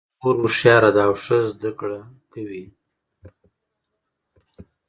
زما خور هوښیاره ده او ښه زده کړه کوي